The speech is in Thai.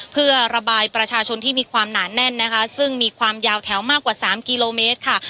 เพื่อระบายประชาชนที่มีความหนาแน่นนะคะซึ่งมีความยาวแถวมากกว่าสามกิโลเมตรค่ะ